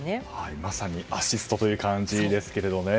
まさに、アシストという感じですけれどね。